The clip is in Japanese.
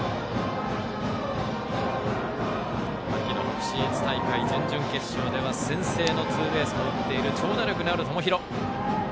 秋の北信越大会準々決勝では先制のツーベースも打っている長打力のある友廣。